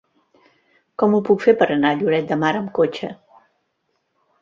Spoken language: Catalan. Com ho puc fer per anar a Lloret de Mar amb cotxe?